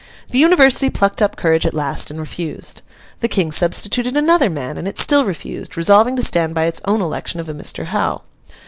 The University plucked up courage at last, and refused. The King substituted another man, and it still refused, resolving to stand by its own election of a Mr. Hough.